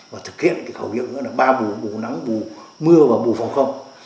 và thực hiện cái khẩu hiệu nữa là ba bù bù nắng bù mưa và bù phòng không